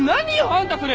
あんたそれ。